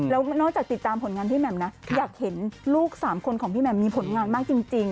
แล้วนอกจากติดตามผลงานพี่แหม่มนะอยากเห็นลูก๓คนของพี่แหม่มมีผลงานมากจริง